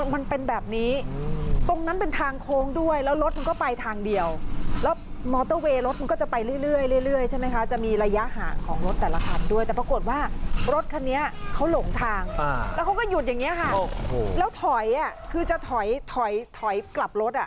มันเป็นแบบนี้ตรงนั้นเป็นทางโค้งด้วยแล้วรถมันก็ไปทางเดียวแล้วมอเตอร์เวย์รถมันก็จะไปเรื่อยใช่ไหมคะจะมีระยะห่างของรถแต่ละคันด้วยแต่ปรากฏว่ารถคันนี้เขาหลงทางแล้วเขาก็หยุดอย่างนี้ค่ะแล้วถอยอ่ะคือจะถอยถอยกลับรถอ่ะ